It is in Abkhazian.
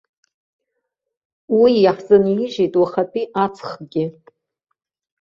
Уи иаҳзынижьит уахатәи аҵхгьы.